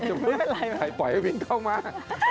เดี๋ยวปล่อยให้วิ้งเข้ามา